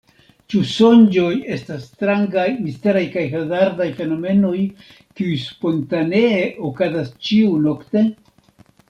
Ĉu sonĝoj estas strangaj, misteraj kaj hazardaj fenomenoj, kiuj spontanee okazas ĉiu-nokte?